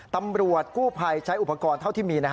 ตำรวจกู้ภัยใช้อุปกรณ์เท่าที่มี